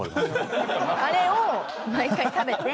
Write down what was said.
あれを毎回食べて。